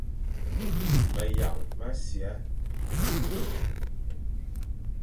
Meyañ mʼasia,